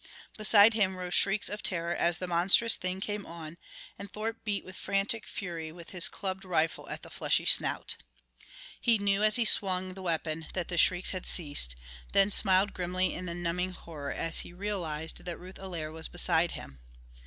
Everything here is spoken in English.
Beside him rose shrieks of terror as the monstrous thing came on, and Thorpe beat with frantic fury with his clubbed rifle at the fleshy snout. He knew as he swung the weapon that the shrieks had ceased, then smiled grimly in the numbing horror as he realized that Ruth Allaire was beside him.